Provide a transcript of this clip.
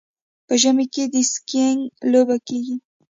په ژمي کې د سکیینګ لوبه کیږي.